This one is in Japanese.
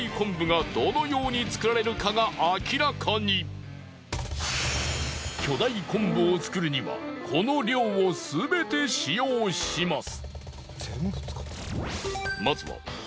そして巨大昆布を作るにはこの量をすべて使用します。